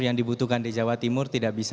yang dibutuhkan di jawa timur tidak bisa